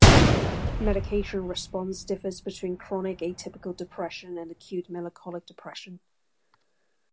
Medication response differs between chronic atypical depression and acute melancholic depression.